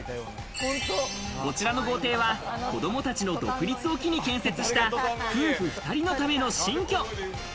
こちらの豪邸は子供たちの独立を機に建設した夫婦２人のための新居。